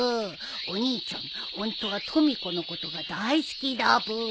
「お兄ちゃんホントはとみ子のことが大好きだブー」